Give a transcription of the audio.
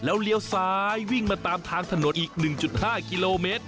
เลี้ยวซ้ายวิ่งมาตามทางถนนอีก๑๕กิโลเมตร